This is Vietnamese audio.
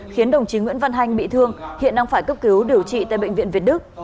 khiến đồng chí nguyễn văn hanh bị thương hiện đang phải cấp cứu điều trị tại bệnh viện việt đức